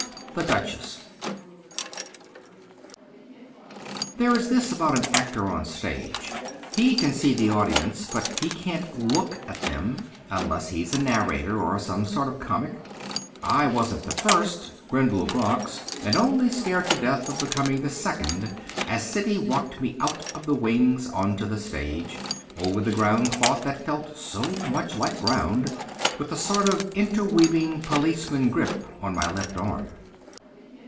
The Duchess There is this about an actor on stage: he can see the audience but he can't look at them, unless he's a narrator or some sort of comic. I wasn't the first (Grendel groks!) and only scared to death of becoming the second as Siddy walked me out of the wings onto the stage, over the groundcloth that felt so much like ground, with a sort of interweaving policeman grip on my left arm.